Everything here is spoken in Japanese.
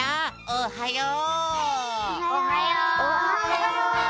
おはよう！